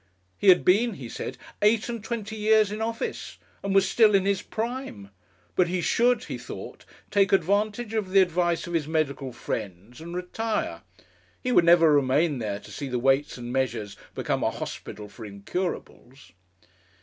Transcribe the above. He had been,' he said, 'eight and twenty years in office, and was still in his prime but he should,' he thought, 'take advantage of the advice of his medical friends, and retire. He would never remain there to see the Weights and Measures become a hospital for incurables!'